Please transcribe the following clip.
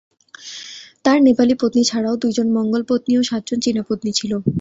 তার নেপালি পত্নী ছাড়াও দুইজন মঙ্গোল পত্নী ও সাতজন চীনা পত্নী ছিল।